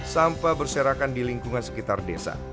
sampah berserakan di lingkungan sekitar desa